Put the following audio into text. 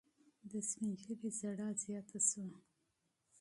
سپین ږیري ژړل زیات شول.